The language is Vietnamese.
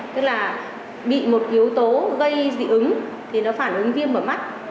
tức là bị một yếu tố gây dị ứng thì nó phản ứng viêm mở mắt